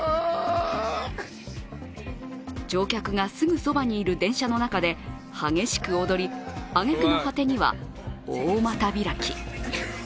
乗客がすぐそばにいる電車の中で激しく踊り挙げ句の果てには、大股開き。